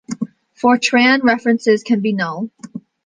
Fortran references can be null.